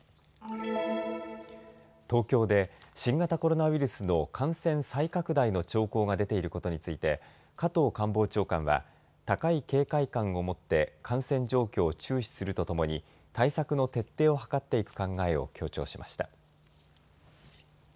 東京で新型コロナウイルスの感染再拡大の兆候が出ていることについて加藤官房長官は高い警戒感を持って感染状況を注視するとともに対策の徹底を図っていく考えを強調しました。